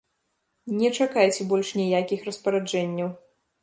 Не чакайце больш ніякіх распараджэнняў.